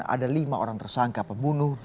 ada lima orang tersangka pembunuh